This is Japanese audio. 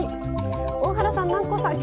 大原さん南光さん